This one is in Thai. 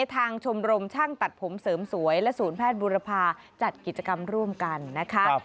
ชมรมช่างตัดผมเสริมสวยและศูนย์แพทย์บุรพาจัดกิจกรรมร่วมกันนะคะ